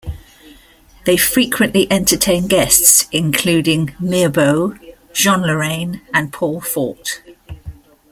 They frequently entertained guests, including Mirbeau, Jean Lorrain, and Paul Fort.